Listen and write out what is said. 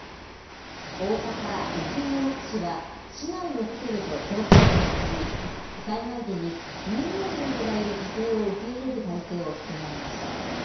大阪・泉大津市は、市内のホテルと協定を結び、災害時に乳幼児などがいる家庭を受け入れる体制を整えました。